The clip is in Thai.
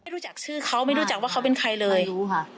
รู้จักชื่อเขาไม่รู้จักว่าเขาเป็นใครเลยรู้ค่ะ